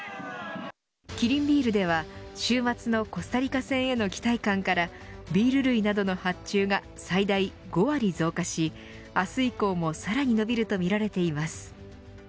キリンビールでは週末のコスタリカ戦への期待感からビール類などの発注が最大５割増加し明日以降も、さらに伸びるとみられています。